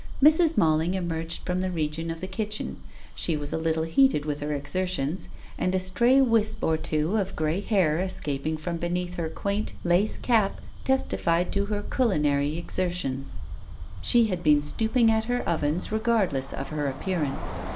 Mrs. Malling emerged from the region of the kitchen. She was a little heated with her exertions, and a stray wisp or two of grey hair escaping from beneath her quaint lace cap testified to her culinary exertions. She had been stooping at her ovens regardless of her appearance.